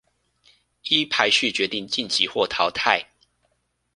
依排序決定晉級或淘汰